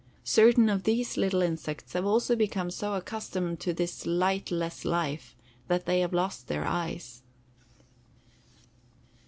Certain of these little insects have also become so accustomed to this lightless life that they have lost their eyes.